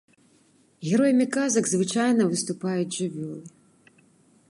Героямі казак звычайна выступаюць жывёлы.